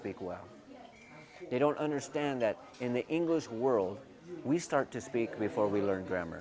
mereka tidak memahami bahwa di dunia inggris kita mulai berbicara sebelum kita belajar grammar